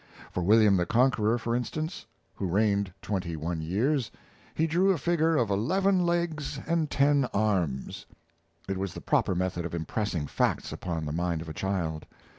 For William the Conqueror, for instance, who reigned twenty one years, he drew a figure of eleven legs and ten arms. It was the proper method of impressing facts upon the mind of a child.